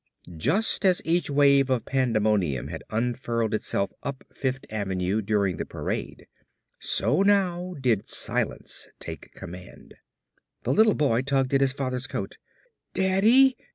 Just as each wave of pandemonium had unfurled itself up Fifth Avenue during the parade, so now did silence take command. The little boy tugged at his father's coat. "Daddy!